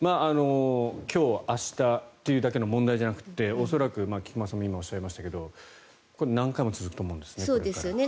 今日、明日というだけの問題じゃなくて恐らく、菊間さんも今おっしゃいましたけれど何回も続くと思うんですよね。